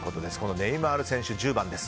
ネイマール選手、１０番です。